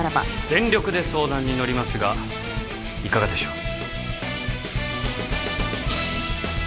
全力で相談に乗りますがいかがでしょう？